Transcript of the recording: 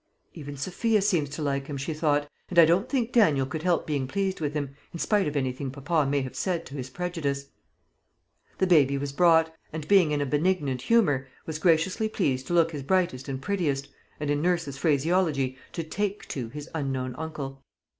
"Even Sophia seems to like him," she thought; "and I don't think Daniel could help being pleased with him, in spite of anything papa may have said to his prejudice." The baby was brought, and, being in a benignant humour, was graciously pleased to look his brightest and prettiest, and in nurse's phraseology, to "take to" his unknown uncle.